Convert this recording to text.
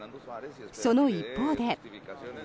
その一方で。